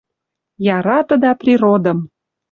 ЯРАТЫДА ПРИРОДЫМ